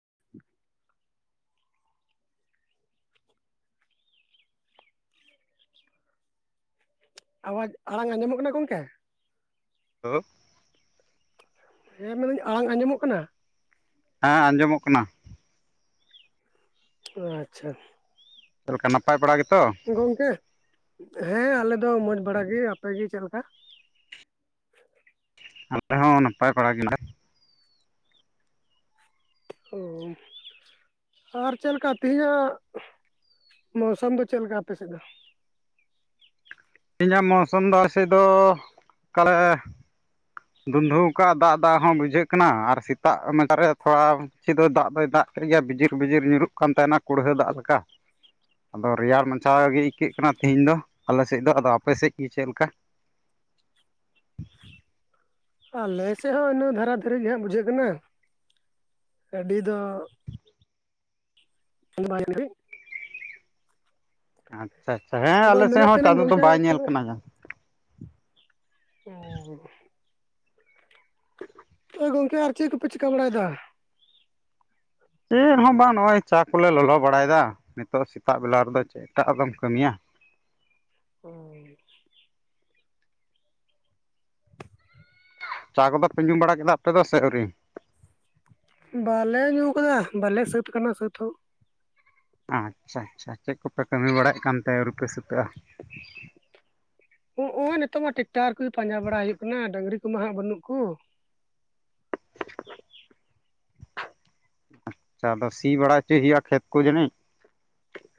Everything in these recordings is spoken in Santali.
[inaudible] ᱟᱣᱟᱡ ᱟᱲᱟᱝ ᱟᱸᱡᱚᱢᱚᱜ ᱠᱟᱱᱟ ᱜᱚᱝᱠᱮ ᱦᱳ ᱦᱮᱸ ᱢᱮᱱᱫᱟᱹᱧ ᱟᱲᱟᱝ ᱟᱸᱡᱚᱢᱚᱜ ᱠᱟᱱᱟ ᱦᱮᱸ ᱟᱸᱡᱚᱢᱚᱜ ᱠᱟᱱᱟ ᱟᱪᱪᱷᱟ ᱪᱮᱫ ᱞᱮᱠᱟ ᱱᱟᱯᱟᱭ ᱵᱟᱲᱟ ᱜᱤᱛᱚ ᱜᱚᱝᱠᱮ ᱦᱮᱸ ᱟᱞᱮ ᱫᱚ ᱢᱚᱡᱽ ᱵᱟᱲᱟ ᱜᱮ ᱟᱯᱮ ᱜᱮ ᱪᱮᱫ ᱞᱮᱠᱟ ᱟᱞᱮ ᱦᱚᱸ ᱱᱟᱯᱟᱭ ᱵᱚᱲᱟ ᱜᱤᱱᱟᱜ ᱚ ᱟᱨ ᱪᱮᱫ ᱞᱮᱠᱟ ᱛᱮᱦᱤᱧᱟᱜ ᱢᱳᱥᱟᱢ ᱫᱚ ᱪᱮᱫ ᱞᱮᱠᱟ ᱟᱯᱮ ᱥᱮᱫ ᱫᱚ ᱛᱤᱧᱟᱹᱜ ᱢᱳᱥᱟᱢ ᱫᱟ ᱟᱞᱮᱥᱮᱫ ᱫᱚ ᱠᱟᱞᱮ ᱫᱩᱱᱫᱷᱩᱣᱟᱹ ᱟᱠᱟᱫ ᱫᱟᱜ ᱫᱟᱜ ᱦᱚᱸ ᱵᱩᱡᱷᱟᱹᱜ ᱠᱟᱱᱟ ᱟᱨ ᱥᱮᱛᱟᱜ ᱢᱮᱪᱟ ᱨᱮ ᱛᱷᱚᱲᱟ ᱪᱮᱫ ᱫᱚ ᱫᱟᱜ ᱫᱚᱭ ᱫᱟᱜ ᱴᱷᱤᱠ ᱜᱮᱭᱟ ᱵᱤᱡᱤᱨ ᱵᱤᱡᱤᱨ ᱧᱩᱨᱩᱜ ᱠᱟᱱ ᱛᱟᱦᱮᱱᱟ ᱠᱩᱲᱦᱟᱹ ᱫᱟᱜ ᱞᱮᱠᱟ [inaudible] ᱟᱫᱚ ᱨᱮᱭᱟᱲ ᱢᱟᱪᱷᱟ ᱜᱮ ᱟᱹᱭᱠᱟᱹᱜ ᱠᱟᱱᱟ ᱛᱮᱦᱤᱧ ᱫᱚ ᱟᱞᱮ ᱥᱮᱫ ᱫᱚ ᱟᱫᱚ ᱟᱯᱮ ᱥᱮᱫ ᱜᱮ ᱪᱮᱫ ᱞᱮᱠᱟ ᱟᱞᱮᱥᱮᱫ ᱦᱚᱸ ᱤᱱᱟᱹ ᱫᱷᱟᱨᱟ ᱫᱷᱟᱨᱤ ᱦᱟᱸᱜ ᱵᱩᱡᱷᱟᱹᱜ ᱠᱟᱱᱟ ᱜᱟᱹᱰᱤ ᱫᱚ [unintelligible] ᱟᱪᱪᱷᱟ ᱟᱪᱪᱷᱟ ᱦᱮᱸ ᱟᱫᱚ ᱟᱞᱮᱥᱮᱫ ᱢᱮᱱᱮᱫ ᱦᱚᱸ ᱪᱟᱸᱫᱚ ᱫᱚ ᱵᱟᱭ ᱧᱮᱞ ᱟᱠᱟᱱᱟ ᱾ ᱚ ᱟᱫᱚ ᱜᱚᱝᱠᱮ ᱟᱨ ᱪᱮᱫ ᱠᱚᱯᱮ ᱪᱤᱠᱟᱹ ᱵᱟᱲᱟᱭᱮᱫᱟ? ᱪᱮᱫ ᱦᱚᱸ ᱵᱟᱝ ᱱᱚᱜ-ᱚᱭ ᱪᱟ ᱠᱚᱞᱮ ᱞᱚᱞᱚ ᱵᱟᱲᱟᱭᱮᱫᱟ ᱱᱤᱛᱚᱜ ᱥᱮᱛᱟᱜ ᱵᱮᱞᱟ ᱨᱮᱫᱚ ᱪᱮᱜᱠᱟ ᱟᱫᱚᱢ ᱠᱟᱹᱢᱤᱭᱟ ᱦᱳᱭ ᱪᱟ ᱠᱚᱫᱚ ᱯᱮ ᱧᱩ ᱵᱟᱲᱟ ᱠᱮᱫᱟ ᱟᱯᱮ ᱫᱚ ᱥᱮ ᱟᱹᱣᱨᱤ? ᱵᱟᱞᱮ ᱧᱩ ᱠᱟᱫᱟ ᱵᱟᱞᱮ ᱥᱟᱹᱛ ᱠᱟᱱᱟ ᱥᱟᱹᱛ ᱦᱚᱸ ᱟᱪᱪᱷᱟ ᱟᱪᱪᱷᱟ ᱪᱮᱫ ᱠᱚᱯᱮ ᱠᱟᱹᱢᱤ ᱵᱟᱲᱟᱭᱮᱫ ᱠᱟᱱ ᱛᱮ ᱟᱹᱣᱨᱤ ᱯᱮ ᱥᱩᱛᱟᱹᱜ-ᱟ? ᱦᱚᱜ-ᱚᱭ ᱱᱤᱛᱚᱜ ᱢᱟ ᱴᱮᱠᱴᱟᱨ ᱠᱚ ᱯᱟᱸᱡᱟ ᱵᱟᱲᱟ ᱦᱩᱭᱩᱜ ᱠᱟᱱᱟ ᱰᱟᱝᱨᱤ ᱠᱚᱢᱟ ᱦᱟᱜ ᱵᱟᱹᱱᱩᱜ ᱠᱚ ᱟᱪᱪᱷᱟ ᱟᱫᱚ ᱥᱤ ᱵᱟᱲᱟ ᱦᱚᱪᱚᱭ ᱭᱟ ᱠᱷᱮᱛ ᱠᱚ ᱡᱟᱹᱱᱤᱡ?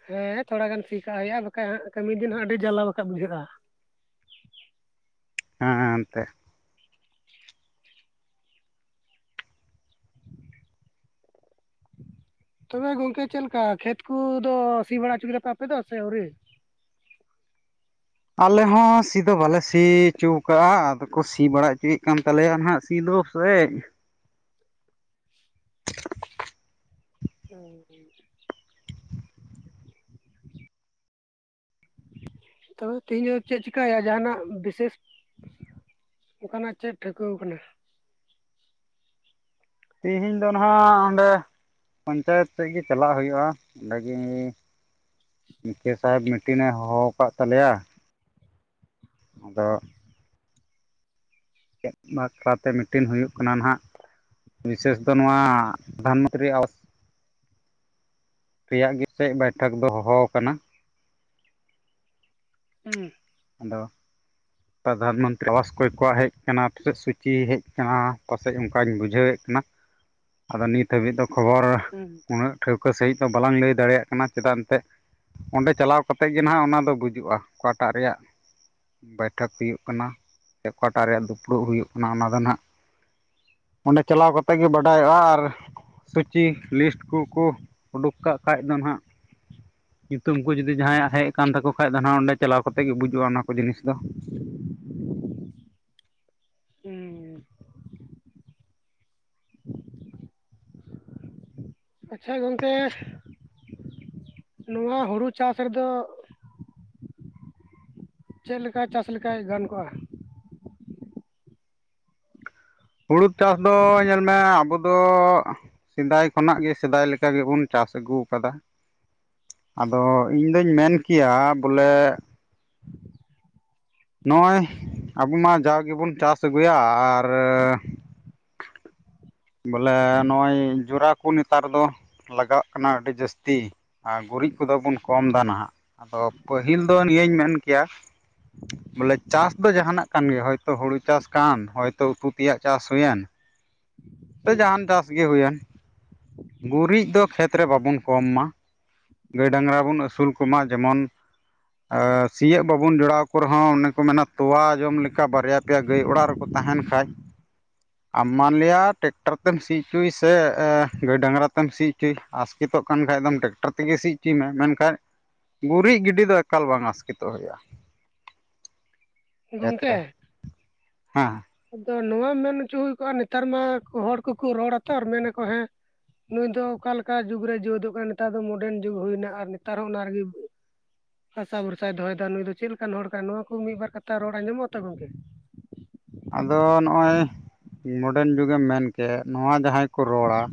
ᱦᱮᱸ ᱛᱷᱚᱲᱟ ᱜᱟᱱ ᱥᱤ ᱠᱟᱜ-ᱟ ᱦᱩᱭᱩᱜ-ᱟ ᱵᱟᱠᱷᱟᱱ ᱦᱟᱜ ᱠᱟᱹᱢᱤ ᱫᱤᱱ ᱟᱸᱜ ᱟᱹᱰᱤ ᱡᱟᱞᱟᱣ ᱦᱟᱜᱠᱷᱟᱡ ᱵᱩᱡᱷᱟᱹᱜ-ᱟ ᱦᱮᱸ ᱮᱱᱛᱮ ᱛᱚᱵᱮ ᱜᱚᱝᱠᱮ ᱪᱮᱫ ᱞᱮᱠᱟ ᱠᱷᱮᱛ ᱠᱚᱫᱚ ᱥᱤ ᱵᱟᱲᱟ ᱚᱪᱚ ᱠᱮᱫᱟᱯᱮ ᱥᱮ ᱟᱹᱣᱨᱤ? ᱟᱞᱮ ᱦᱚᱸ ᱥᱤ ᱫᱚ ᱵᱟᱞᱮ ᱥᱤᱜ ᱪᱩ ᱠᱟᱜ-ᱟ ᱟᱫᱚ ᱠᱚ ᱥᱤ ᱵᱟᱲᱟ ᱚᱪᱚᱭᱮᱫ ᱠᱟᱱ ᱛᱟᱞᱮᱭᱟ ᱦᱟᱜ ᱥᱤ ᱫᱩ ᱛᱚᱭᱮᱜ ᱚ ᱛᱚᱵᱮ ᱛᱮᱦᱤᱧ ᱫᱚ ᱪᱮᱫ ᱪᱤᱠᱟᱹᱭᱟ ᱡᱟᱦᱟᱱᱟᱜ ᱵᱤᱥᱮᱥ ᱚᱝᱠᱟᱱᱟᱜ ᱪᱮᱫ ᱴᱷᱟᱹᱣᱠᱟᱹᱣ ᱠᱟᱱᱟ? ᱛᱮᱦᱮᱧ ᱫᱚ ᱱᱟᱦᱟᱜ ᱚᱸᱰᱮ ᱯᱚᱧᱪᱟᱭᱮᱛ ᱥᱮᱫ ᱜᱤ ᱪᱟᱞᱟᱜᱟ ᱦᱩᱭᱩᱜ-ᱟ ᱚᱸᱰᱮᱜᱤ ᱱᱤᱠᱷᱟᱹ ᱥᱟᱦᱮᱵᱽ ᱢᱤᱴᱤᱱᱮ ᱦᱚᱦᱚ ᱠᱟᱫ ᱛᱟᱞᱮᱭᱟ ᱟᱫᱚ ᱪᱮᱫ ᱵᱟᱠᱷᱨᱟᱛᱮ ᱢᱤᱴᱤᱱ ᱦᱩᱭᱩᱜ ᱠᱟᱱᱟ ᱱᱟᱦᱟᱜ ᱵᱤᱥᱮᱥ ᱫᱚ ᱱᱚᱣᱟ ᱫᱷᱟᱱ ᱢᱚᱱᱛᱨᱤ ᱟᱵᱟᱥ ᱨᱮᱭᱟᱜ ᱜᱮᱪᱚ ᱵᱟᱭᱴᱷᱚᱠ ᱫᱚ ᱦᱚᱦᱚ ᱟᱠᱟᱱᱟ ᱦᱩᱸ ᱟᱫᱚ ᱯᱨᱫᱷᱟᱱ ᱢᱚᱱᱛᱨᱤ ᱟᱵᱟᱥ ᱠᱚᱭ ᱠᱚᱣᱟᱜ ᱦᱮᱡ ᱟᱠᱟᱱᱟ ᱪᱤ ᱦᱮᱡ ᱟᱠᱟᱱᱟ ᱯᱟᱥᱮᱡ ᱚᱝᱠᱟᱧ ᱵᱩᱡᱷᱟᱹᱣᱮᱫ ᱠᱟᱱᱟ ᱟᱫᱚ ᱱᱤᱛ ᱦᱟᱹᱵᱤᱡ ᱫᱚ ᱠᱷᱚᱵᱚᱨ ᱦᱩᱸ ᱩᱱᱟᱹᱜ ᱴᱷᱟᱹᱣᱠᱟᱹ ᱥᱟᱺᱦᱤᱡ ᱫᱚ ᱵᱟᱞᱟᱝ ᱞᱟᱹᱭ ᱫᱟᱲᱮᱭᱟᱜ ᱠᱟᱱᱟ ᱪᱮᱫᱟᱱ ᱛᱮᱜ ᱚᱸᱰᱮ ᱪᱟᱞᱟᱣ ᱠᱟᱛᱮᱜ ᱜᱮ ᱱᱦᱟᱜ ᱚᱱᱟ ᱫᱚ ᱵᱩᱡᱩᱜ-ᱟ ᱚᱠᱟᱴᱟᱜ ᱨᱮᱭᱟᱜ ᱵᱳᱭᱴᱷᱚᱠ ᱦᱩᱭᱩᱜ ᱠᱟᱱᱟ ᱥᱮ ᱚᱠᱟᱴᱟᱜ ᱨᱮᱭᱟᱜ ᱫᱩᱯᱲᱩᱵ ᱦᱩᱭᱩᱜ ᱠᱟᱱᱟ ᱚᱱᱟ ᱫᱚ ᱱᱟᱦᱟᱜ ᱚᱸᱰᱮ ᱪᱟᱞᱟᱣ ᱠᱟᱛᱮ ᱜᱤ ᱵᱟᱰᱟᱭᱚᱜ-ᱟ ᱟᱨ ᱥᱩᱪᱤ ᱞᱤᱥᱴ ᱠᱚᱠᱚ ᱩᱰᱩᱠ ᱠᱟᱜ ᱠᱷᱟᱡ ᱫᱚ ᱱᱦᱟᱜ ᱧᱩᱛᱩᱢ ᱠᱚ ᱡᱩᱫᱤ ᱡᱟᱦᱟᱸᱭᱟᱜ ᱦᱮᱡ ᱟᱠᱟᱱ ᱛᱟᱠᱚ ᱠᱷᱟᱡ ᱫᱚ ᱱᱟᱦᱟᱜ ᱚᱰᱮ ᱪᱟᱞᱟᱣ ᱠᱟᱛᱮᱫ ᱜᱮ ᱵᱩᱡᱩᱜ-ᱟ ᱚᱱᱟ ᱠᱚ ᱡᱤᱱᱤᱥ ᱫᱚ ᱦᱩᱸ [inaudible] ᱟᱪᱪᱷᱟ ᱜᱚᱝᱠᱮ ᱱᱚᱣᱟ ᱦᱩᱲᱩ ᱪᱟᱥ ᱨᱮᱫᱚ ᱪᱮᱫ ᱞᱮᱠᱟᱭ ᱪᱟᱥ ᱞᱮᱠᱷᱟᱱ ᱜᱟᱱ ᱠᱚᱜᱼᱟ? ᱦᱩᱲᱩ ᱪᱟᱥ ᱫᱚ ᱧᱮᱞ ᱢᱮ ᱟᱵᱚ ᱫᱚ ᱾ ᱥᱮᱫᱟᱭ ᱠᱷᱚᱱᱟᱜ ᱜᱮ ᱥᱮᱫᱟᱭ ᱞᱮᱠᱟ ᱜᱮᱵᱚᱱ ᱪᱟᱥ ᱟᱜᱩ ᱮᱫᱼᱟ ᱾ ᱟᱫᱚ ᱤᱧ ᱫᱩᱧ ᱢᱮᱱ ᱠᱮᱫᱼᱟ ᱵᱚᱞᱮ ᱾ ᱱᱚᱜᱼᱚᱭ ᱟᱵᱚ ᱢᱟ ᱡᱟ ᱜᱮᱵᱚᱱ ᱪᱟᱥ ᱟᱹᱜᱩᱭᱟ ᱟᱨ ᱾ ᱵᱚᱞᱮ ᱱᱚᱜᱼᱚᱭ ᱜᱚᱲᱟ ᱠᱚ ᱱᱮᱛᱟᱨ ᱫᱚ ᱾ ᱞᱟᱜᱟᱣ ᱠᱟᱱᱟ ᱟᱹᱰᱤ ᱡᱟᱹᱥᱛᱤ ᱟᱨ ᱜᱩᱨᱤᱡ ᱠᱚ ᱫᱚ ᱵᱚᱱ ᱠᱚᱢ ᱫᱟ ᱱᱟᱦᱜᱼᱟ ᱾ ᱟᱫᱚ ᱯᱟᱦᱤᱞ ᱫᱚ ᱱᱤᱭᱟᱹᱧ ᱢᱮᱱ ᱠᱮᱭᱼᱟ ᱵᱚᱞᱮ ᱪᱟᱥ ᱫᱚ ᱡᱟᱦᱟᱱᱟᱜ ᱠᱟᱱ ᱜᱮ ᱦᱚᱭᱛᱚ ᱦᱩᱲᱩ ᱪᱟᱥ ᱠᱟᱱ, ᱦᱚᱭᱛᱚ ᱩᱛᱩ ᱛᱮᱭᱟᱜ ᱪᱟᱥ ᱦᱩᱭᱮᱱ ᱥᱮ ᱡᱟᱸᱦᱟᱱ ᱪᱟᱥ ᱜᱮ ᱦᱩᱭ ᱮᱱ ᱜᱩᱨᱤᱡ ᱫᱚ ᱠᱷᱮᱛ ᱨᱮ ᱟᱞᱳᱵᱚᱱ ᱠᱚᱢ ᱢᱟ ᱾ ᱜᱟᱭ ᱰᱟᱝᱨᱟ ᱵᱚᱱ ᱟᱹᱥᱩᱞ ᱠᱚᱢᱟ ᱡᱮᱢᱚᱱ ᱾ ᱟᱨ ᱥᱤᱭᱟᱹᱜ ᱵᱟᱵᱚᱱ ᱡᱚᱲᱟᱣ ᱠᱚ ᱨᱮᱦᱚᱸ ᱾ ᱚᱱᱮ ᱠᱚ ᱢᱮᱱᱼᱟ, ᱛᱳᱣᱟ ᱡᱚᱢ ᱞᱮᱠᱟ ᱨᱮᱦᱚᱸ ᱵᱟᱨᱭᱟ ᱯᱮᱭᱟ ᱜᱟᱭ ᱳᱲᱟᱜ ᱨᱮᱦᱚᱸ ᱾ ᱛᱟᱦᱮᱸᱱ ᱠᱷᱟᱱ [inaudible] ᱟᱨ ᱢᱟᱱ ᱞᱤᱭᱟᱹ ᱴᱨᱮᱠᱴᱚᱨ ᱛᱮᱢ ᱥᱤ ᱦᱚᱪᱚᱭ ᱠᱷᱟᱱ, ᱰᱟᱝᱜᱽᱨᱟ ᱛᱮᱢ ᱥᱤ ᱦᱚᱪᱚᱭ ᱠᱷᱟᱱ ᱾ ᱟᱹᱥᱠᱤᱛᱚᱜ ᱠᱷᱟᱱ ᱫᱚᱢ ᱴᱨᱮᱠᱴᱚᱨ ᱛᱮᱢ ᱾ ᱛᱮᱜᱮ ᱥᱤ ᱦᱚᱪᱚᱭ ᱢᱮ, ᱢᱮᱱᱠᱷᱟᱱ ᱜᱩᱨᱤᱡ ᱜᱤᱰᱤ ᱫᱚ ᱮᱠᱟᱞ ᱵᱟᱝ ᱟᱹᱥᱠᱤᱛᱚᱜ ᱦᱩᱭᱩᱜᱼᱟ ᱠᱷᱮᱛ ᱜᱚᱢᱠᱮ ᱨᱮ ᱦᱮᱸ ᱟᱫᱚ ᱱᱚᱶᱟ ᱢᱮᱱ ᱦᱚᱪᱚ ᱦᱩᱭ ᱠᱚᱜᱼᱟ, ᱱᱮᱛᱟᱨ ᱢᱟ ᱦᱚᱲ ᱠᱚ ᱠᱚ ᱨᱚᱲ ᱟ, ᱛᱚ ᱟᱨ ᱢᱮᱱ ᱟᱠᱳ ᱱᱮᱛᱟᱨ ᱢᱟ ᱾ ᱱᱩᱭ ᱫᱚ ᱚᱠᱟ ᱞᱮᱠᱟᱱ ᱡᱩᱜᱽ ᱥᱮ ᱡᱩᱣᱤᱫᱚᱜ ᱠᱟᱱᱟᱭ, ᱟᱨ ᱱᱮᱛᱟᱨ ᱢᱟ ᱱᱚᱜᱼᱚᱭ ᱢᱚᱰᱟᱨᱱ ᱡᱩᱜᱽ ᱦᱩᱭ ᱮᱱᱟ, ᱟᱨ ᱱᱮᱛᱟᱨ ᱦᱚᱸ ᱾ ᱦᱟᱥᱟ ᱵᱷᱚᱨᱥᱟ ᱫᱚᱦᱚ ᱮᱫᱼᱟ, ᱱᱩᱭ ᱫᱚ ᱪᱮᱫ ᱞᱮᱠᱟᱱ ᱦᱚᱲ ᱠᱟᱱᱟᱭ, ᱱᱚᱶᱟ ᱠᱚ ᱢᱤᱫ ᱵᱟᱨ ᱠᱟᱛᱷᱟ ᱨᱚᱲ ᱟᱸᱡᱚᱢᱚᱜᱼᱟ ᱛᱚ ᱜᱚᱝᱠᱮ ᱾ ᱟᱫᱚ ᱱᱚᱜᱼᱚᱭ ᱢᱚᱰᱟᱨᱱ ᱡᱩᱜᱽ ᱮᱢ ᱢᱮᱱ ᱠᱮᱫ, ᱱᱚᱶᱟ ᱡᱟᱦᱟᱸᱭ ᱠᱚ ᱨᱚᱲ ᱟ ᱾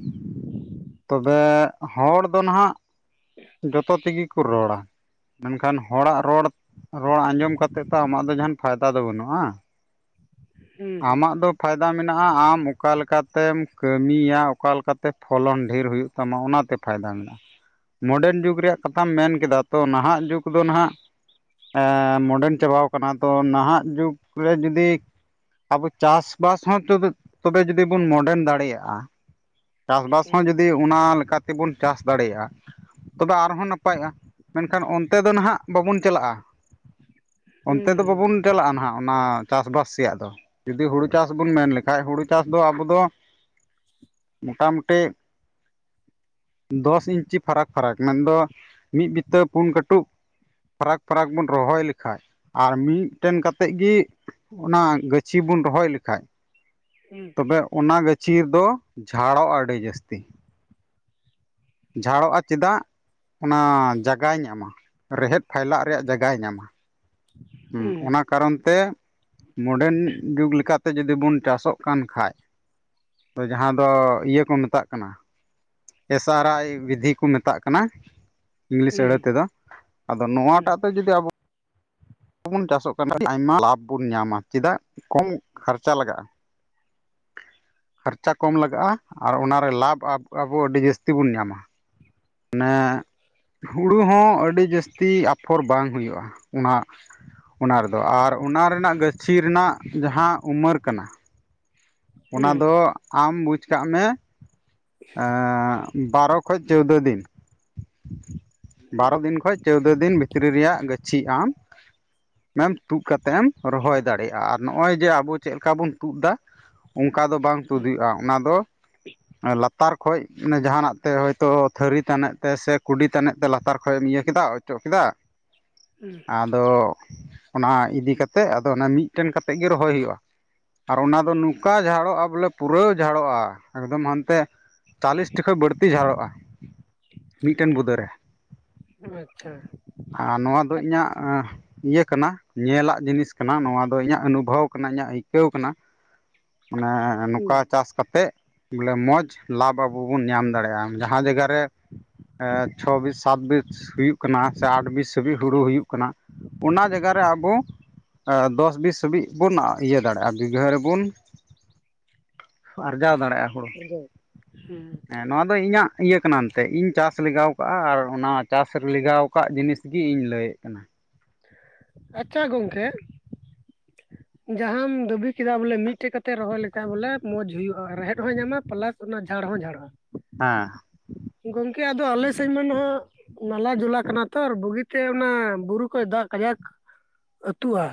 ᱛᱚᱵᱮ ᱦᱚᱲ ᱫᱚ ᱱᱟᱜᱼᱟᱜ ᱾ ᱦᱮᱸ [inaudible] ᱡᱚᱛᱚ ᱛᱮᱜᱮ ᱠᱚ ᱨᱚᱲ ᱟ, ᱢᱮᱱᱠᱷᱟᱱ ᱦᱚᱲ ᱟᱜ ᱨᱚᱲ ᱾ ᱨᱚᱲ ᱟᱸᱡᱚᱢ ᱠᱟᱛᱮ ᱫᱚ ᱛᱟᱢ ᱡᱟᱦᱟᱸᱱᱟᱜ ᱯᱷᱟᱭᱫᱟ ᱫᱚ ᱵᱟᱭ ᱧᱟᱢᱚᱜᱼᱟ ᱾ ᱦᱩᱸ ᱦᱩᱸ ᱟᱢᱟᱜ ᱫᱚ ᱾ ᱯᱷᱟᱭᱫᱟ ᱢᱮᱱᱟᱜᱼᱟ ᱟᱢ ᱚᱠᱟ ᱞᱮᱠᱟ ᱛᱮᱢ ᱠᱟᱹᱢᱤ ᱭᱟ, ᱚᱠᱟ ᱞᱮᱠᱟ ᱛᱮ ᱯᱷᱚᱞᱚᱱ ᱰᱷᱮᱨ ᱦᱩᱭᱩᱜ ᱛᱟᱢᱟ, ᱚᱱᱟ ᱛᱮ ᱯᱷᱟᱭᱫᱟ ᱢᱮᱱᱟᱜᱼᱟ ᱾ ᱢᱚᱰᱟᱨᱱ ᱡᱩᱜᱽ ᱨᱮᱭᱟᱜ ᱠᱟᱛᱷᱟ ᱢᱮᱱ ᱠᱮᱫᱼᱟ, ᱛᱚ ᱱᱟᱜᱼᱟᱜ ᱡᱩᱜᱽ ᱫᱚ ᱱᱟᱜᱼᱟᱜ ᱾ ᱢᱚᱰᱟᱨᱱ ᱡᱚᱵᱟᱣ ᱠᱟᱱᱟ, ᱛᱚ ᱱᱟᱜᱼᱟᱜ ᱡᱩᱜ ᱨᱮ ᱡᱩᱫᱤ ᱟᱵᱚ ᱪᱟᱥ-ᱵᱟᱥ ᱦᱚᱸ ᱛᱚᱵᱮ ᱵᱚᱱ ᱢᱚᱰᱟᱨᱱ ᱫᱟᱲᱮᱭᱟᱜᱼᱟ ᱾ ᱪᱟᱥᱵᱟᱥ ᱦᱩᱸ ᱡᱩᱫᱤ ᱚᱱᱟ ᱞᱮᱠᱟ ᱛᱮ ᱵᱚᱱ ᱪᱟᱥ ᱫᱟᱲᱮᱭᱟᱜᱼᱟ ᱾ ᱛᱚᱵᱮ ᱫᱚᱢᱮ ᱱᱟᱯᱟᱭᱚᱜᱼᱟ, ᱢᱮᱱᱠᱷᱟᱱ ᱚᱱᱛᱮ ᱫᱚ ᱱᱟᱜᱼᱟᱜ ᱵᱟᱵᱚᱱ ᱪᱟᱞᱟᱜᱼᱟ ᱾ ᱚᱱᱛᱮ ᱫᱚ ᱵᱟᱵᱚᱱ ᱪᱟᱞᱟᱜᱼᱟ, ᱱᱟᱜᱼᱟᱜ ᱚᱱᱟ ᱪᱟᱥ-ᱵᱟᱥ ᱥᱮᱫ ᱫᱚ ᱾ ᱡᱩᱫᱤ ᱦᱩᱲᱩ ᱪᱟᱥ ᱵᱚᱱ ᱢᱮᱱ ᱞᱮᱠᱷᱟᱱ, ᱦᱩᱲᱩ ᱪᱟᱥ ᱫᱚ ᱟᱵᱚ ᱫᱚ ᱾ ᱢᱳᱴᱟ-ᱢᱳᱴᱤ ᱫᱚᱥ ᱤᱧᱪᱤ ᱯᱷᱟᱨᱟᱠ ᱾ ᱯᱷᱟᱨᱟᱠ ᱢᱮᱱ ᱫᱚ ᱢᱤᱫ ᱵᱤᱛᱟᱹ ᱯᱩᱱ ᱠᱟᱴᱩᱵ ᱯᱷᱟᱨᱟᱠ-ᱯᱷᱟᱨᱟᱠ ᱵᱚᱱ ᱨᱳᱦᱚᱭ ᱞᱮᱠᱷᱟᱱ ᱟᱨ ᱢᱤᱫ ᱴᱷᱮᱱ ᱠᱟᱛᱮ ᱜᱮ ᱚᱱᱟ ᱾ ᱪᱷᱤ ᱵᱚᱱ ᱨᱳᱦᱚᱭ ᱞᱮᱠᱷᱟᱱ ᱛᱚᱵᱮ ᱚᱱᱟ ᱜᱟᱪᱷᱤ ᱫᱚ ᱡᱷᱟᱲᱚᱜᱼᱟ ᱟᱹᱰᱤ ᱡᱟᱹᱥᱛᱤ ᱾ ᱡᱷᱟᱲᱚᱜᱼᱟ ᱪᱮᱫᱟᱜ ᱥᱮ ᱚᱱᱟ ᱡᱟᱜᱟᱭ ᱧᱟᱢᱼᱟ, ᱨᱮᱦᱮᱫ ᱯᱷᱟᱭᱞᱟᱣ ᱨᱮᱭᱟᱜ ᱡᱟᱜᱟᱭ ᱧᱟᱢᱼᱟ ᱾ ᱦᱩᱸ ᱚᱱᱟ ᱠᱟᱨᱚᱱ ᱛᱮ ᱢᱚᱰᱮᱱ ᱡᱩᱜ ᱞᱮᱠᱟᱛᱮ ᱵᱚᱱ ᱪᱟᱥᱚᱜ ᱠᱟᱱ ᱠᱷᱟᱭᱡ᱾ ᱡᱟᱦᱟᱸ ᱫᱚ ᱤᱭᱟᱹ ᱠᱚ ᱢᱮᱛᱟᱜ ᱠᱟᱱᱟ ᱾ ᱮᱟᱥᱟᱨᱟᱭ ᱵᱤᱫᱷᱤ ᱠᱚ ᱢᱮᱛᱟᱜ ᱠᱟᱱᱟ ᱾ ᱤᱝᱞᱤᱥ ᱟᱹᱲᱟᱹ ᱦᱩᱸ ᱛᱮᱫᱚ ᱟᱫᱚ ᱱᱚᱶᱟ ᱦᱩᱸ ᱦᱩᱸ ᱴᱟᱜ ᱛᱮ ᱡᱩᱫᱤ ᱟᱵᱚ ᱾ ᱵᱚᱱ ᱪᱟᱥᱚᱜ ᱠᱟᱱ ᱠᱷᱟᱱ ᱟᱭᱢᱟ ᱞᱟᱵᱽ ᱵᱚᱱ ᱧᱟᱢᱼᱟ, ᱪᱮᱫᱟᱜ ᱥᱮ ᱠᱚᱢ ᱠᱷᱟᱨᱪᱟ ᱞᱟᱜᱟᱜᱼᱟ ᱾ ᱠᱷᱟᱨᱪᱟ ᱠᱚᱢ ᱞᱟᱜᱟᱜᱼᱟ ᱟᱨ ᱚᱱᱟ ᱨᱮ ᱞᱟᱵᱽ ᱟᱵᱚ ᱟᱹᱰᱤ ᱡᱟᱹᱥᱛᱤ ᱵᱚᱱ ᱧᱟᱢᱼᱟ ᱾ ᱢᱟᱱᱮ ᱦᱩᱲᱩ ᱦᱚᱸ ᱟᱹᱰᱤ ᱡᱟᱹᱥᱛᱤ ᱟᱯᱷᱚᱨ ᱵᱟᱝ ᱦᱩᱭᱩᱜᱼᱟ ᱚᱱᱟ ᱚᱱᱟ ᱨᱮᱫᱚ ᱟᱨ ᱚᱱᱟ ᱨᱮᱱᱟᱜ ᱜᱟᱹᱪᱷᱤ ᱨᱮᱱᱟᱜ ᱡᱟᱦᱟᱸ ᱩᱢᱟᱹᱨ ᱠᱟᱱᱟ ᱚᱱᱟ ᱦᱩᱸ ᱫᱚ ᱟᱢ ᱵᱩᱡᱽ ᱠᱟᱜ ᱢᱮ ᱮᱸᱜ ᱵᱟᱨᱚ ᱠᱷᱚᱡ ᱪᱳᱭᱫᱚ ᱫᱤᱱ ᱵᱟᱨᱚ ᱫᱤᱱ ᱠᱷᱚᱡ ᱪᱳᱣᱫᱚ ᱫᱤᱱ ᱵᱷᱤᱛᱨᱤ ᱨᱮᱭᱟᱜ ᱜᱟᱹᱪᱷᱤ ᱟᱢ [unintelligible] ᱛᱩᱫ ᱠᱟᱛᱮᱫ ᱮᱢ ᱨᱚᱦᱚᱭ ᱫᱟᱲᱮᱭᱟᱜᱼᱟ ᱟᱨ ᱱᱚᱜᱼᱚᱭ ᱡᱮ ᱟᱵᱚ ᱪᱮᱫ ᱞᱮᱠᱟ ᱵᱚᱱ ᱛᱩᱫ ᱫᱟ ᱚᱱᱠᱟ ᱫᱚ ᱵᱟᱝ ᱛᱩᱫ ᱦᱩᱭᱩᱜᱼᱟ ᱚᱱᱟ ᱫᱚ ᱞᱟᱛ ᱞᱟᱛᱟᱨ ᱠᱷᱚᱡ ᱢᱟᱱᱮ ᱡᱟᱦᱟᱱᱟᱜ ᱛᱮ ᱦᱚᱳᱭᱛᱚ ᱛᱷᱟᱹᱨᱤ ᱛᱟᱱᱮᱡ ᱛᱮ ᱥᱮ ᱠᱩᱰᱤ ᱛᱟᱱᱮᱪ ᱛᱮ ᱞᱟᱛᱟᱨ ᱠᱷᱚᱡ ᱮᱢ ᱤᱭᱟᱹ ᱠᱮᱫᱟ ᱚᱪᱚᱜ ᱠᱮᱫᱟ ᱩᱸᱷ ᱟᱫᱚ ᱚᱱᱟ ᱤᱫᱤ ᱠᱟᱛᱮᱫ ᱟᱫᱚ ᱚᱱᱟ ᱢᱤᱫᱴᱮᱱ ᱠᱟᱛᱮᱫ ᱜᱮ ᱨᱚᱦᱚᱭ ᱦᱩᱭᱩᱜᱼᱟ ᱾ ᱟᱨ ᱚᱱᱟ ᱫᱚ ᱱᱚᱝᱠᱟ ᱡᱷᱟᱲᱚᱜᱼᱟ ᱵᱚᱞᱮ ᱯᱩᱨᱟᱹᱣ ᱡᱷᱟᱲᱚᱜᱼᱟ ᱮᱠᱫᱚᱢ ᱦᱟᱱᱛᱮ ᱪᱟᱞᱤᱥᱴᱤ ᱠᱷᱚᱱ ᱵᱟᱹᱲᱛᱤ ᱡᱷᱟᱲᱚᱜᱼᱟ ᱢᱤᱫᱴᱮᱱ ᱵᱩᱫᱟᱹᱨᱮ ᱦᱩᱸ ᱟᱪᱪᱷᱟ ᱾ ᱟᱨ ᱱᱚᱣᱟ ᱫᱚ ᱤᱧᱟᱹᱜ ᱮᱸᱷ ᱤᱭᱟᱹ ᱠᱟᱱᱟ ᱧᱮᱞᱟᱜ ᱡᱤᱱᱤᱥ ᱠᱟᱱᱟ ᱱᱚᱣᱟ ᱫᱚ ᱤᱧᱟᱹᱜ ᱚᱱᱩᱵᱷᱚᱵ ᱠᱟᱱᱟ ᱤᱧᱟᱹᱜ ᱟᱹᱭᱠᱟᱹᱣ ᱠᱟᱱᱟ ᱢᱟᱱᱮ ᱦᱩᱸ ᱱᱚᱸᱠᱟ ᱪᱟᱥᱠᱟᱛᱮᱜ ᱵᱚᱞᱮ ᱢᱚᱸᱡᱽ ᱞᱟᱵᱷ ᱟᱵᱚ ᱵᱚᱱ ᱧᱟᱢ ᱫᱟᱲᱮᱭᱟᱜᱼᱟ ᱡᱟᱦᱟᱸ ᱡᱟᱜᱟ ᱨᱮ ᱮᱸ ᱪᱷᱚ ᱵᱤᱥ ᱥᱟᱛ ᱵᱤᱥ ᱦᱩᱭᱩᱜ ᱠᱟᱱᱟ ᱥᱮ ᱟᱴ ᱵᱤᱥ ᱦᱟᱵᱤᱡ ᱦᱩᱲᱩ ᱦᱩᱭᱩᱜ ᱠᱟᱱᱟ ᱚᱱᱟ ᱡᱟᱜᱟ ᱨᱮ ᱟᱵᱚ ᱫᱚᱥ ᱵᱤᱥ ᱦᱟᱹᱵᱤᱡ ᱵᱚᱱ ᱤᱭᱟᱹ ᱫᱟᱲᱮᱜᱼᱟ ᱵᱤᱜᱷᱟᱹ ᱨᱮᱵᱚᱱ ᱟᱨᱡᱟᱣ ᱫᱟᱲᱮᱜᱼᱟ ᱦᱳᱲᱳ᱾ [unintelligible] ᱱᱚᱣᱟ ᱫᱚ ᱤᱧᱟᱹᱜ ᱤᱭᱟᱹ ᱠᱟᱱᱟ ᱮᱱᱛᱮ ᱤᱧ ᱪᱟᱥ ᱞᱮᱜᱟᱣ ᱠᱟᱜᱼᱟ ᱟᱨ ᱚᱱᱟ ᱪᱟᱥ ᱞᱮᱜᱟᱣᱠᱟᱫ ᱡᱤᱱᱤᱥ ᱜᱮ ᱤᱧ ᱞᱟᱹᱭᱮᱫ ᱠᱟᱱᱟ᱾ ᱟᱪᱪᱷᱟ ᱜᱚᱝᱠᱮ ᱡᱟᱦᱟᱸᱢ ᱫᱟᱹᱵᱤ ᱠᱮᱫᱟ ᱵᱚᱞᱮ ᱢᱤᱫᱴᱮᱡ ᱠᱟᱛᱮᱫ ᱨᱚᱦᱚᱭ ᱞᱮᱠᱷᱟᱡ ᱵᱚᱞᱮ ᱢᱚᱸᱡᱽ ᱦᱩᱭᱩᱜᱼᱟ ᱨᱮᱦᱮᱫ ᱦᱚᱸᱭ ᱧᱟᱢᱟ ᱯᱞᱟᱥ ᱚᱱᱟ ᱡᱷᱟᱲ ᱦᱚᱸ ᱡᱷᱟᱲᱚᱜᱼᱟ᱾ ᱦᱮᱸ ᱜᱚᱝᱠᱮ ᱟᱫᱚ ᱟᱞᱮ ᱥᱮᱫ ᱢᱟ ᱱᱷᱟᱜ ᱱᱟᱞᱟ ᱡᱩᱞᱟ ᱠᱟᱱᱟ ᱛᱷᱚᱨ ᱵᱩᱜᱤ ᱛᱮ ᱚᱱᱟ ᱵᱩᱨᱩ ᱠᱷᱚᱡ ᱫᱟᱜ ᱠᱟᱡᱟᱠ ᱟᱹᱛᱩᱼᱟ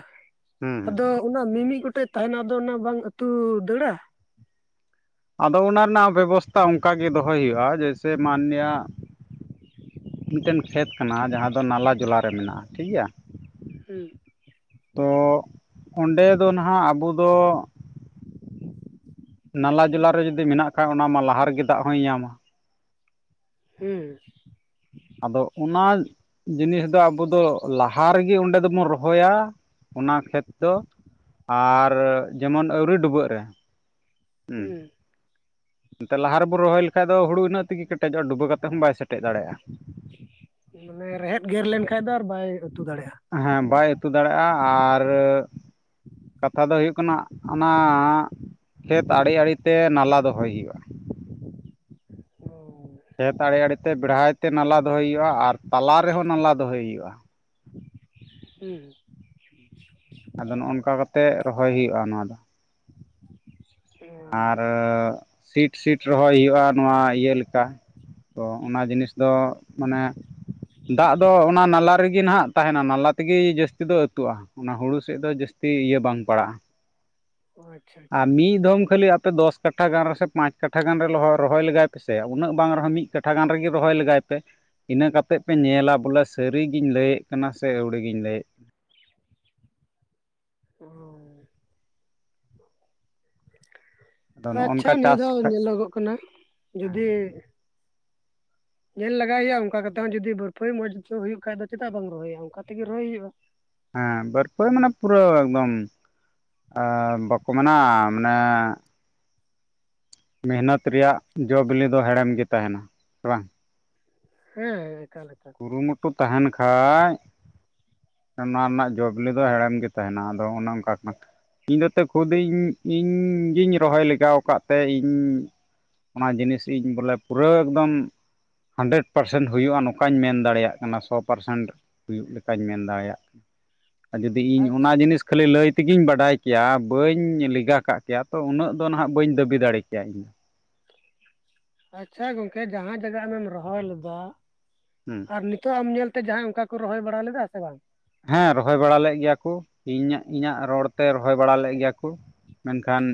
ᱦᱩᱸ ᱦᱩᱸ ᱟᱫᱚ ᱚᱱᱟ ᱢᱤᱢᱤᱫ ᱜᱚᱴᱮᱡ ᱛᱟᱦᱮᱱᱟ ᱟᱫᱚ ᱚᱱᱟ ᱵᱟᱝ ᱟᱹᱛᱩ ᱫᱟᱹᱲᱟ? ᱟᱫᱚ ᱚᱱᱟ ᱨᱮᱱᱟᱜ ᱵᱮᱵᱚᱥᱛᱷᱟ ᱚᱱᱠᱟ ᱜᱮ ᱫᱚᱦᱚᱭ ᱦᱩᱭᱩᱜᱼᱟ᱾ ᱡᱮᱭᱥᱮ ᱢᱟᱱᱱᱤᱭᱟ ᱢᱤᱫᱴᱮᱱ ᱠᱷᱮᱛ ᱠᱟᱱᱟ ᱡᱟᱦᱟᱸ ᱫᱚ ᱱᱟᱞᱟ ᱡᱚᱞᱟ ᱢᱮᱱᱟᱜᱼᱟ ᱴᱷᱤᱠ ᱜᱮᱭᱟ᱾ ᱦᱩᱸ ᱛᱚ ᱚᱸᱰᱮ ᱫᱚ ᱱᱟᱦᱟᱜ ᱟᱵᱚ ᱫᱚ ᱱᱟᱞᱟ ᱡᱚᱞᱟ ᱨᱮ ᱡᱩᱫᱤ ᱢᱮᱱᱟᱜ ᱠᱷᱟᱡ ᱚᱱᱟ ᱢᱟ ᱞᱟᱦᱟ ᱨᱮᱜᱮ ᱫᱟᱜ ᱦᱚᱸᱭ ᱧᱟᱢᱟ ᱾ ᱦᱮᱸ ᱟᱫᱚ ᱚᱱᱟ ᱡᱤᱱᱤᱥ ᱫᱚ ᱟᱵᱚ ᱫᱚ ᱞᱟᱦᱟ ᱨᱮᱜᱮ ᱚᱸᱰᱮ ᱫᱚᱵᱚᱱ ᱨᱚᱦᱚᱭᱟ᱾ ᱚᱱᱟ ᱠᱷᱮᱛ ᱫᱚ ᱟᱨ ᱡᱮᱢᱚᱱ ᱟᱣᱨᱤ ᱰᱩᱵᱟᱹᱜ ᱨᱮ ᱩᱸ ᱦᱩᱸ ᱮᱛᱮ ᱞᱟᱦᱟ ᱨᱮᱵᱚᱱ ᱨᱚᱦᱚᱭ ᱞᱮᱠᱷᱟᱡ ᱦᱩᱲᱩ ᱤᱱᱟᱹᱜ ᱛᱮᱜᱮ ᱠᱮᱴᱮᱡᱚᱜᱼᱟ ᱰᱩᱵᱟᱹ ᱠᱟᱛᱮᱫ ᱦᱚᱸ ᱵᱟᱭ ᱥᱮᱴᱮᱡ ᱫᱟᱲᱭᱟᱜᱼᱟ᱾ ᱢᱟᱱᱮ ᱨᱮᱦᱮᱫ ᱜᱮᱨ ᱞᱮᱱᱠᱷᱟᱡ ᱫᱚ ᱟᱨ ᱵᱟᱭ ᱟᱹᱛᱩ ᱫᱟᱲᱮᱜᱼᱟ᱾ ᱦᱮᱸ ᱵᱟᱭ ᱟᱛᱩ ᱫᱟᱲᱮᱜᱼᱟ ᱟᱨ ᱠᱟᱛᱷᱟ ᱫᱚ ᱦᱩᱭᱩᱜ ᱠᱟᱱᱟ ᱚᱱᱟ ᱠᱷᱮᱛ ᱟᱲᱮ ᱟᱲᱮ ᱛᱮ ᱱᱟᱞᱟ ᱫᱚᱦᱚᱭ ᱦᱩᱭᱩᱜᱼᱟ᱾ [inaudible] ᱠᱷᱮᱛ ᱟᱲᱮ ᱟᱲᱮ ᱛᱮ ᱵᱮᱲᱦᱟᱭ ᱛᱮ ᱱᱟᱞᱟ ᱫᱚᱦᱚᱭ ᱦᱩᱭᱩᱜᱼᱟ ᱟᱨ ᱛᱟᱞᱟ ᱨᱮᱦᱚᱸ ᱱᱟᱞᱟ ᱫᱚᱦᱚᱭ ᱦᱩᱭᱩᱜᱼᱟ᱾ ᱦᱩᱸ ᱟᱫᱚ ᱱᱚᱜ-ᱚᱱᱠᱟ ᱠᱟᱛᱮᱜ ᱨᱚᱦᱚᱭ ᱦᱩᱭᱩᱜᱼᱟ ᱱᱚᱣᱟ ᱫᱚ᱾ [inaudible] ᱟᱨ ᱥᱤᱴ ᱥᱤᱴ ᱨᱚᱦᱚᱭ ᱦᱩᱭᱩᱜᱼᱟ ᱱᱚᱣᱟ ᱤᱭᱟᱹ ᱞᱮᱠᱟ᱾ ᱛᱚ ᱚᱱᱟ ᱡᱤᱱᱤᱥ ᱫᱚ ᱢᱟᱱᱮ ᱫᱟᱜ ᱫᱚ ᱚᱱᱟ ᱱᱟᱞᱟ ᱨᱮᱜᱮ ᱱᱟᱦᱟᱜ ᱛᱟᱦᱮᱱᱟ ᱱᱟᱞᱟ ᱛᱮᱜᱮ ᱡᱟᱹᱥᱛᱤ ᱫᱚ ᱟᱹᱛᱩᱜᱼᱟ᱾ ᱚᱱᱟ ᱦᱩᱲᱩ ᱥᱮᱫ ᱫᱚ ᱡᱟᱹᱥᱛᱤ ᱤᱭᱟᱹ ᱵᱟᱝ ᱯᱟᱲᱟᱜᱼᱟ᱾ ᱦᱳᱭ ᱟᱨ ᱢᱤᱫ ᱫᱷᱚᱢ ᱠᱷᱟᱹᱞᱤ ᱟᱯᱮ ᱫᱚᱥ- ᱠᱟᱴᱷᱟ ᱜᱟᱱ ᱨᱮᱥᱮ ᱯᱟᱸᱪ ᱠᱟᱴᱷᱟ ᱜᱟᱱ ᱨᱮ ᱨᱚᱦᱚᱭ ᱞᱮᱜᱟᱭ ᱯᱮᱥᱮ ᱩᱱᱟᱹᱜ ᱵᱟᱝ ᱨᱮᱦᱚᱸ ᱢᱤᱫ ᱠᱟᱴᱷᱟ ᱜᱟᱱ ᱨᱮᱜᱮ ᱨᱚᱦᱚᱭ ᱞᱮᱜᱟᱭ ᱯᱮ ᱤᱱᱟᱹ ᱠᱟᱛᱮᱫ ᱯᱮ ᱧᱮᱞᱟ ᱵᱚᱞᱮ ᱥᱟᱹᱨᱤᱜᱤᱧ ᱞᱟᱹᱭᱮᱫ ᱠᱟᱱᱟ ᱥᱮ ᱟᱹᱣᱲᱤ ᱜᱤᱧ ᱞᱟᱹᱭᱮᱫ ᱟᱫᱚ ᱚᱸ ᱱᱚᱜᱼᱚ ᱟᱪᱪᱷᱟ ᱱᱚᱝᱠᱟ ᱱᱤᱭᱟᱹ ᱪᱟᱥ ᱫᱷᱟᱣ ᱠᱷᱟᱡ ᱧᱮᱞᱚᱜᱚᱜ ᱠᱟᱱᱟ ᱡᱩᱫᱤ ᱧᱮᱞ ᱞᱟᱜᱟᱭ ᱦᱩᱭᱩᱜᱼᱟ ᱚᱱᱠᱟ ᱠᱟᱛᱮᱜ ᱦᱚᱸ ᱡᱩᱫᱤ ᱵᱚᱨᱯᱷᱚᱭᱟ ᱢᱚᱸᱡᱽ ᱦᱩᱭᱩᱜ ᱠᱷᱟᱡ ᱫᱚ ᱪᱮᱫᱟᱜ ᱵᱟᱢ ᱨᱚᱦᱚᱭᱟ ᱚᱱᱠᱟ ᱛᱮᱜᱮ ᱨᱚᱦᱚᱭ ᱦᱩᱭᱩᱜᱼᱟ᱾ ᱦᱮᱸ ᱵᱟᱨᱯᱟᱹᱭ ᱢᱟᱱᱮ ᱯᱩᱨᱟᱹ ᱮᱠᱫᱚᱢ ᱵᱟᱠᱚ ᱢᱮᱱᱟ ᱢᱟᱱᱮ ᱢᱮᱦᱱᱚᱛ ᱨᱮᱭᱟᱜ ᱡᱚ ᱵᱤᱞᱤ ᱫᱚ ᱦᱮᱲᱮᱢ ᱜᱮ ᱛᱟᱦᱮᱱᱟ ᱥᱮ ᱵᱟᱝ ᱦᱮᱸ ᱮᱠᱟᱞ ᱮᱠᱟᱞ ᱠᱩᱨᱩᱢᱩᱴᱩ ᱛᱟᱦᱮᱱ ᱠᱷᱟᱡ ᱱᱚᱣᱟ ᱨᱮᱱᱟᱜ ᱡᱚᱵᱤᱞᱤ ᱫᱚ ᱦᱮᱲᱮᱢ ᱜᱮ ᱛᱟᱦᱮᱱᱟ ᱟᱫᱚ ᱚᱱᱮ ᱚᱱᱠᱟ ᱠᱷᱟᱱ ᱤᱧ ᱫᱟᱹᱛᱮ ᱠᱷᱩᱫ ᱤᱧ ᱤᱧ ᱜᱤᱧ ᱨᱚᱦᱚᱭ ᱞᱮᱜᱟᱣ ᱟᱠᱟᱫ ᱛᱮ ᱤᱧ- ᱚᱱᱟ ᱡᱤᱱᱤᱥ ᱤᱧ ᱵᱚᱞᱮ ᱯᱩᱨᱟᱹ ᱮᱠᱫᱚᱢ ᱦᱟᱱᱰᱮᱨᱮᱰ ᱯᱟᱨᱥᱮᱱᱴ ᱦᱩᱭᱩᱜᱼᱟ ᱱᱚ ᱚᱱᱠᱟᱧ ᱢᱮᱱ ᱫᱟᱲᱮᱭᱟᱜ ᱠᱟᱱᱟ ᱥᱚ ᱯᱟᱨᱥᱮᱱᱴ ᱦᱩᱭᱩᱜ ᱞᱮᱠᱟᱧ ᱢᱮᱱ ᱫᱟᱲᱮᱭᱟᱜ ᱠᱟᱱᱟ ᱟᱨ ᱡᱩᱫᱤ ᱤᱧ ᱚᱱᱟ ᱡᱤᱱᱤᱥ ᱠᱷᱟᱹᱞᱤ ᱞᱟᱹᱭ ᱛᱮᱜᱤᱧ ᱵᱟᱰᱟᱭ ᱠᱮᱭᱟ ᱵᱟᱹᱧ ᱞᱮᱜᱟ ᱠᱟᱜ ᱠᱮᱭᱟ ᱛᱚ ᱩᱱᱟᱹᱜ ᱫᱚ ᱱᱟᱦᱟᱜ ᱵᱟᱹᱧ ᱫᱟᱹᱵᱤ ᱫᱟᱲᱮ ᱠᱮᱭᱟ ᱤᱧᱫᱚ ᱟᱪᱪᱷᱟ ᱜᱚᱝᱠᱮ ᱡᱟᱦᱟᱸ ᱡᱟᱭᱜᱟ ᱟᱢᱮᱢ ᱨᱚᱦᱚᱭ ᱞᱮᱫᱟ ᱦᱩᱸ ᱟᱨ ᱱᱤᱛᱚᱜ ᱟᱢ ᱧᱮᱞᱛᱮ ᱡᱟᱦᱟᱸᱭ ᱚᱱᱠᱟ ᱠᱚ ᱨᱚᱦᱚᱭ ᱵᱟᱲᱟ ᱞᱮᱫᱟ ᱥᱮ ᱵᱟᱝ ᱦᱮᱸ ᱨᱚᱦᱚᱭ ᱵᱟᱲᱟ ᱞᱮᱫ ᱜᱮᱭᱟ ᱠᱚ ᱤᱧ ᱤᱧᱟᱹᱜ ᱨᱚᱲ ᱛᱮ ᱨᱚᱦᱚᱭ ᱵᱟᱲᱟ ᱞᱮᱫ ᱜᱮᱭᱟ ᱠᱚ ᱢᱮᱱᱠᱷᱟᱱ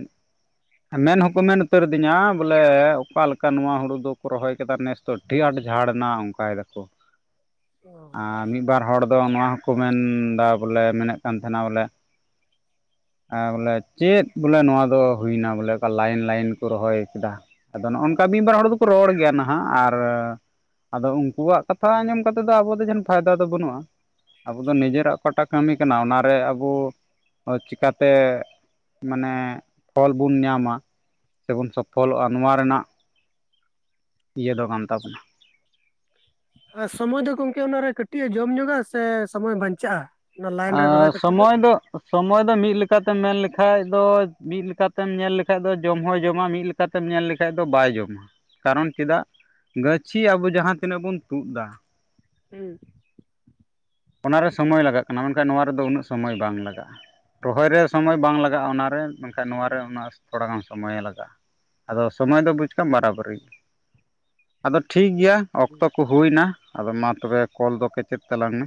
ᱢᱮᱱ ᱦᱚᱸᱠᱚ ᱢᱮᱱ ᱩᱛᱟᱹᱨᱫᱤᱧᱟ ᱵᱚᱞᱮ ᱚᱠᱟ ᱞᱮᱠᱟ ᱱᱚᱣᱟ ᱦᱩᱲᱩ ᱫᱚᱠᱚ ᱨᱚᱦᱚᱭ ᱠᱮᱫᱟ ᱱᱮᱥᱫᱚ ᱟᱹᱰᱤ ᱟᱸᱴ ᱡᱷᱟᱲ ᱮᱱᱟ ᱚᱱᱠᱟᱭ ᱫᱟᱠᱚ [inaudible] ᱟᱨ ᱢᱤᱫ ᱵᱟᱨ ᱦᱚᱲ ᱫᱚ ᱱᱚᱣᱟ ᱦᱚᱸᱠᱚ ᱢᱮᱱᱫᱟ ᱵᱚᱞᱮ ᱢᱮᱱᱮᱫ ᱠᱟᱱ ᱛᱟᱦᱮᱱᱟ ᱵᱚᱞᱮ ᱦᱮᱸ ᱵᱚᱞᱮ ᱪᱮᱫ ᱵᱚᱞᱮ ᱱᱚᱣᱟ ᱫᱚ ᱦᱩᱭᱱᱟ ᱵᱚᱞᱮ ᱞᱟᱭᱤᱱ ᱞᱟᱭᱤᱱ ᱠᱚ ᱨᱚᱦᱚᱭ ᱠᱮᱫᱟ ᱟᱫᱚ ᱱᱚᱜᱼᱚ ᱱᱚᱝᱠᱟ ᱢᱤᱫ ᱵᱟᱨ ᱦᱚᱲ ᱫᱚᱠᱚ ᱨᱚᱲ ᱜᱮᱭᱟ ᱱᱟᱦᱟᱜ ᱟᱨ ᱟᱫᱚ ᱩᱱᱠᱩᱣᱟᱜ ᱠᱟᱛᱷᱟ ᱟᱸᱡᱚᱢ ᱠᱟᱛᱮᱫ ᱫᱚ ᱟᱵᱚ ᱫᱚ ᱡᱮᱱ ᱯᱷᱟᱭᱫᱟ ᱫᱚ ᱵᱟᱹᱱᱩᱜᱼᱟ ᱟᱵᱚ ᱫᱚ ᱱᱤᱡᱮᱨᱟᱜ ᱚᱠᱟᱴᱟᱜ ᱠᱟᱹᱢᱤ ᱠᱟᱱᱟ ᱚᱱᱟᱨᱮ ᱟᱵᱚ ᱪᱤᱠᱟᱛᱮ ᱢᱟᱱᱮ ᱯᱷᱚᱞ ᱵᱚᱱ ᱧᱟᱢᱟ ᱥᱮᱵᱚᱱ ᱥᱚᱯᱷᱚᱞᱚᱜᱼᱟ ᱱᱚᱣᱟ ᱨᱮᱱᱟᱜ ᱤᱭᱟᱹ ᱫᱚ ᱠᱟᱱ ᱛᱟᱵᱚᱱᱟ᱾ ᱟᱨ ᱥᱚᱢᱚᱭ ᱫᱚ ᱜᱚᱝᱠᱮ ᱚᱱᱟᱨᱮ ᱠᱟᱹᱴᱤᱡ ᱮ ᱡᱚᱢ ᱧᱚᱜᱟ ᱥᱮ ᱥᱚᱢᱚᱭ ᱵᱟᱧᱪᱟᱜᱼᱟ ᱚᱱᱟ ᱞᱟᱭᱤᱱ ᱟ ᱨᱮ ᱨᱚᱦᱚᱭ ᱠᱟᱛᱮᱫ ᱥᱚᱢᱚᱭ ᱫᱚ ᱥᱚᱢᱚᱭ ᱫᱚ ᱢᱤᱫ ᱞᱮᱠᱟᱛᱮᱢ ᱢᱮᱱ ᱞᱮᱠᱷᱟᱡ ᱫᱚ ᱢᱤᱫ ᱞᱮᱠᱟᱛᱮᱢ ᱧᱮᱞ ᱞᱮᱠᱟᱱᱡ ᱫᱚ ᱡᱚᱢ ᱦᱚᱸᱭ ᱡᱚᱢᱟ ᱢᱤᱫ ᱞᱮᱠᱟ- ᱛᱮᱢ ᱧᱮᱞ ᱞᱮᱠᱷᱟᱡ ᱫᱚ ᱵᱟᱭ ᱡᱚᱢᱟ ᱠᱟᱨᱚᱱ ᱪᱮᱫᱟᱜ ᱜᱟᱹᱪᱷᱤ ᱟᱵᱚ ᱡᱟᱦᱟᱸ ᱛᱤᱱᱟᱹᱜ ᱵᱚᱱ ᱛᱩᱫ ᱮᱫᱟ ᱦᱩᱸ ᱚᱱᱟ ᱨᱮ ᱥᱚᱢᱳᱭ ᱞᱟᱜᱟᱜ ᱠᱟᱱᱟ ᱢᱮᱱᱠᱷᱟᱱ ᱱᱚᱣᱟ ᱨᱮᱫᱚ ᱩᱱᱟᱹᱜ ᱥᱚᱢᱚᱭ ᱵᱟᱝ ᱞᱟᱜᱟᱜᱼᱟ ᱨᱚᱦᱚᱭ ᱨᱮ ᱥᱚᱢᱚᱭ ᱵᱟᱝ ᱞᱟᱜᱟᱜᱼᱟ ᱚᱱᱟᱨᱮ ᱢᱮᱱᱠᱷᱟᱱ ᱱᱚᱣᱟ ᱨᱮ ᱩᱱᱟᱹᱜ ᱛᱷᱚᱲᱟ ᱜᱟᱱ ᱥᱚᱢᱚᱭᱮ ᱞᱟᱜᱟᱜᱼᱟ ᱟᱫᱚ ᱥᱚᱢᱚᱭ ᱫᱚ ᱵᱩᱡᱽ ᱠᱟᱜ ᱵᱟᱨᱟᱵᱟᱹᱨᱤ ᱟᱫᱚ ᱴᱷᱤᱠᱜᱮᱭᱟ ᱦᱩᱸ ᱚᱠᱛᱚ ᱠᱚ ᱦᱩᱭᱱᱟ ᱟᱫᱚ ᱢᱟ ᱛᱚᱵᱮ ᱠᱚᱞ ᱫᱚ ᱠᱮᱪᱮᱫ ᱛᱟᱞᱟᱝ ᱢᱮ